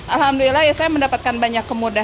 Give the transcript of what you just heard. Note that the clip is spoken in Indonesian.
alhamdulillah ya saya mendapatkan banyak kemudahan